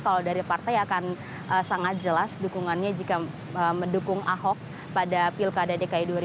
kalau dari partai akan sangat jelas dukungannya jika mendukung ahok pada pilkada dki dua ribu tujuh belas